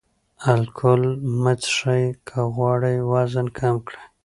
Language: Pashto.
الکول مه څښئ که غواړئ وزن کم شي.